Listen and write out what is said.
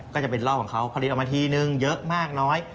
ก็จะเป็นรอบของเขาผลิตออกมาทีนึงเยอะมากน้อย